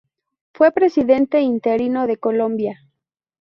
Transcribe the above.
Fue Presidente interino de Colombia.